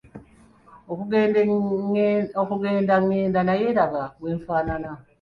Okugenda ngenda naye laba bwenfaanana.